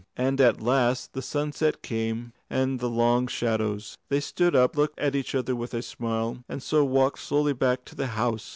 And at last the sunset came, and the long shadows. They stood up, looked at each other with a smile, and so walked slowly back to the house.